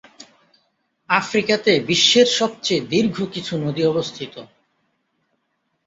আফ্রিকাতে বিশ্বের সবচেয়ে দীর্ঘ কিছু নদী অবস্থিত।